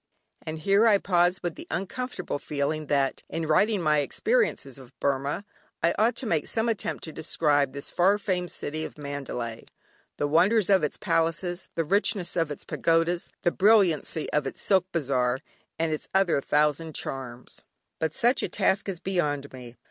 And here I pause with the uncomfortable feeling that in writing my experiences of Burmah, I ought to make some attempt to describe this far famed city of Mandalay, the wonders of its palaces, the richness of its pagodas, the brilliancy of its silk bazaar, and its other thousand charms. But such a task is beyond me.